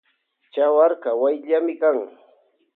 Chawarka wayllami kan.